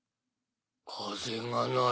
風がない。